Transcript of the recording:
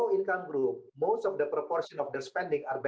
mencapai ekonomi peringkat